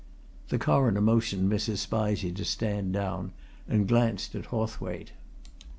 The Coroner motioned Mrs. Spizey to stand down, and glanced at Hawthwaite.